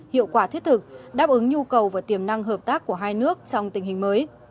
hiệu quả thiết thực đáp ứng nhu cầu và tiềm năng hợp tác của hai nước trong tình hình mới